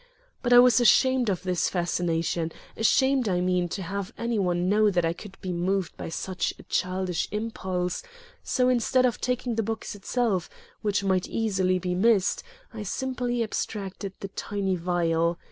But I was ashamed of this fascination, ashamed, I mean, to have any one know that I could be moved by such a childish impulse; so, instead of taking the box itself, which might easily be missed, I simply abstracted the tiny vial.